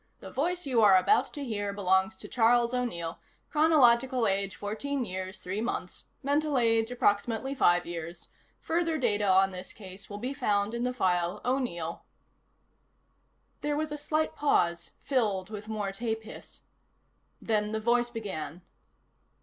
The voice you are about to hear belongs to Charles O'Neill: chronological age fourteen years, three months; mental age, approximately five years. Further data on this case will be found in the file O'Neill." There was a slight pause, filled with more tape hiss. Then the voice began.